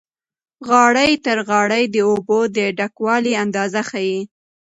غاړې تر غاړې د اوبو د ډکوالي اندازه ښیي.